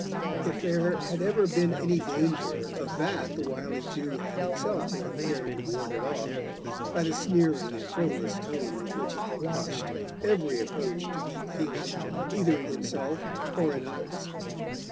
If there had ever been any danger of that the wily Jew had himself taken care to ward it off, by the sneering and frivolous tone with which he quashed every approach to deep feeling, either in himself or in others.